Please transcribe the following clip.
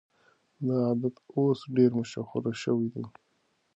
دا عادت اوس ډېر مشهور شوی دی.